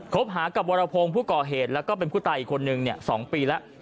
คบหากับวรภงผู้ก่อเหตุและผู้ตายอีกคนหนึ่งสองปีแล้ว